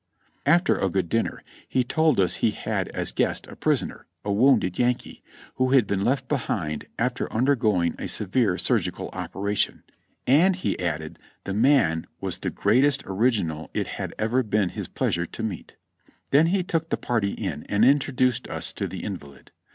After a good dinner he told us he had as guest a prisoner, a wounded Yankee, who had been left behind after undergoing a severe surgical operation; and he added, the man was the great est original it had ever been his pleasure to meet. Then he took the party in and introduced us to the invalid.